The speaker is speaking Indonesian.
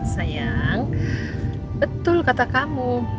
sayang betul kata kamu